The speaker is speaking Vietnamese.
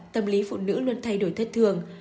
tâm lý phụ nữ luôn thay đổi thất thường